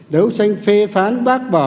đấu tranh phê phán bác bỏ